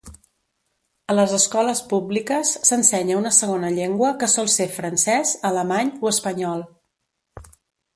A les escoles públiques s'ensenya una segona llengua que sol ser francès, alemany o espanyol.